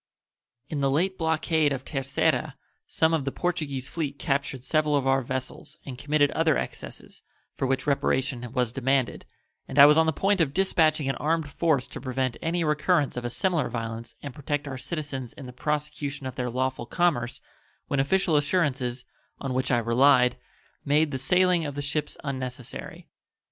In the late blockade of Terceira some of the Portuguese fleet captured several of our vessels and committed other excesses, for which reparation was demanded, and I was on the point of dispatching an armed force to prevent any recurrence of a similar violence and protect our citizens in the prosecution of their lawful commerce when official assurances, on which I relied, made the sailing of the ships unnecessary.